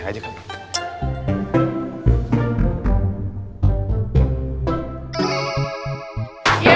apaan itu dia